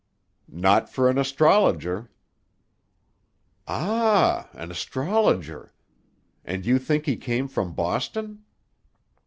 "Not for an astrologer." "Ah; an astrologer! And you think he came from Boston?"